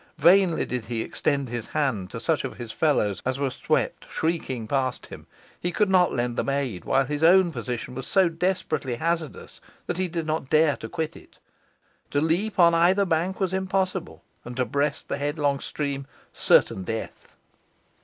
Vainly did he extend his hand to such of his fellows as were swept shrieking past him. He could not lend them aid, while his own position was so desperately hazardous that he did not dare to quit it. To leap on either bank was impossible, and to breast the headlong stream certain death.